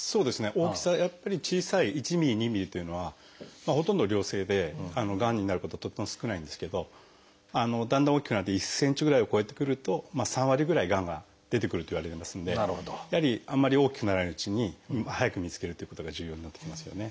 大きさやっぱり小さい１ｍｍ２ｍｍというのはほとんど良性でがんになることはとっても少ないんですけどだんだん大きくなって１ｃｍぐらいを超えてくると３割ぐらいがんが出てくるといわれてますのでやはりあんまり大きくならないうちに早く見つけるということが重要になってきますよね。